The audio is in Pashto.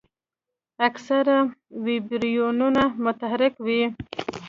اکثره ویبریونونه متحرک وي.